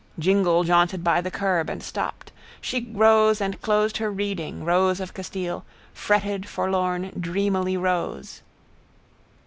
Jingle jaunted by the curb and stopped. She rose and closed her reading, rose of Castile: fretted, forlorn, dreamily rose.